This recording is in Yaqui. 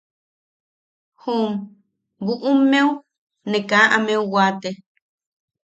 Jum buʼummeu ne kaa ameu waate.